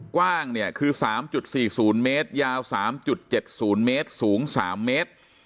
กว้างเนี่ยคือ๓๔๐เมตรยาว๓๗๐เมตรสูง๓เมตร